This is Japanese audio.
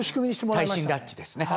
耐震ラッチですね。